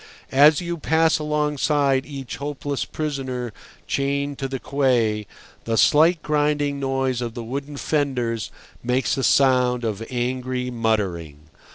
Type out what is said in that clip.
As you pass alongside each hopeless prisoner chained to the quay, the slight grinding noise of the wooden fenders makes a sound of angry muttering.